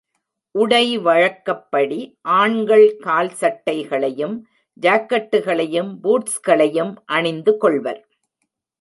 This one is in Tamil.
உடை வழக்கப்படி ஆண்கள் கால்சட்டைகளையும், ஜாக்கெட்டுகளையும், பூட்ஸ்களையும் அணிந்து கொள்வர்.